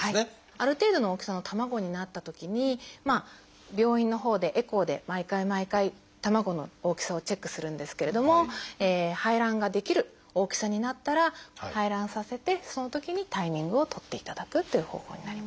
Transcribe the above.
ある程度の大きさの卵になったときに病院のほうでエコーで毎回毎回卵の大きさをチェックするんですけれども排卵ができる大きさになったら排卵させてそのときにタイミングを取っていただくという方法になります。